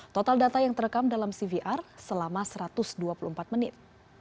total data yang terekam dalam cvr selama satu ratus dua puluh empat menit